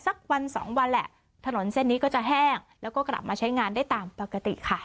สักวันสองวันแหละถนนเส้นนี้ก็จะแห้งแล้วก็กลับมาใช้งานได้ตามปกติค่ะ